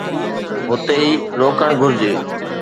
هتي ئي روڪڻ گهرجي.